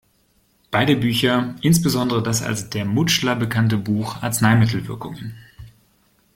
Beide Bücher, insbesondere das als „der Mutschler“ bekannte Buch "Arzneimittelwirkungen.